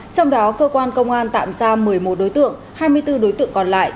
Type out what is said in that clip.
trong đó cơ quan công an tạm giam một mươi một đối tượng hai mươi bốn đối tượng còn lại